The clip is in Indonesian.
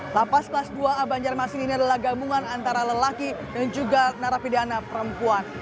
lapas kelas dua a banjarmasin ini adalah gabungan antara lelaki dan juga narapidana perempuan